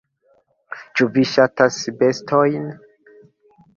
Ĉu vi ŝatas bestojn?